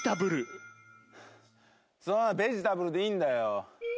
そのままベジタブルでいいんだよ。